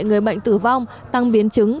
người bệnh tử vong tăng biến chứng